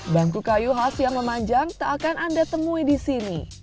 bangku kayu khas yang memanjang tak akan anda temui di sini